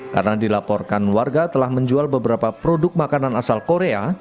karena dilaporkan warga telah menjual beberapa produk makanan asal korea